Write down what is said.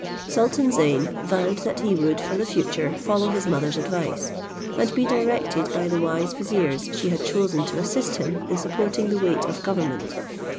Sultan Zeyn vowed that he would for the future follow his mother's advice, and be directed by the wise viziers she had chosen to assist him in supporting the weight of government.